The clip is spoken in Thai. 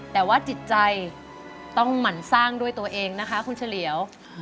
แต่ว่าจิตใจต้องหมั่นสร้างด้วยตัวเองนะคะคุณเฉลี่ยว